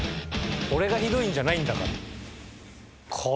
俺がひどいんじゃないんだから。